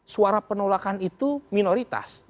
suara penolakan itu minoritas